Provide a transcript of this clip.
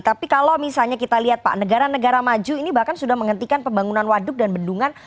tapi kalau misalnya kita lihat pak negara negara maju ini bahkan sudah menghentikan pembangunan waduk dan bendungan